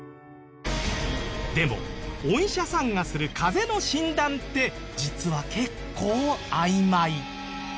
でもお医者さんがする風邪の診断って実は結構あいまい。